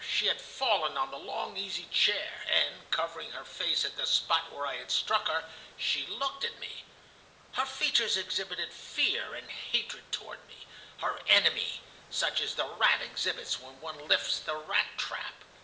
She had fallen on the long easy chair, and, covering her face at the spot where I had struck her, she looked at me. Her features exhibited fear and hatred toward me, her enemy, such as the rat exhibits when one lifts the rat trap.